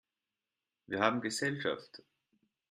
Wir haben Gesellschaft!